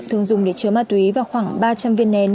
thường dùng để chứa ma túy và khoảng ba trăm linh viên nén